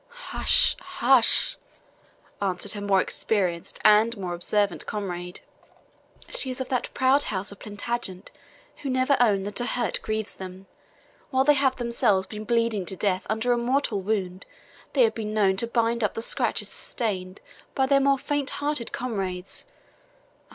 "Hush, hush," answered her more experienced and more observant comrade; "she is of that proud house of Plantagenet who never own that a hurt grieves them. While they have themselves been bleeding to death, under a mortal wound, they have been known to bind up the scratches sustained by their more faint hearted comrades.